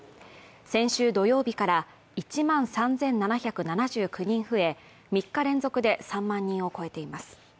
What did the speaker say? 先週土曜日から１万３７７９人増え３日連続で３万人を超えています。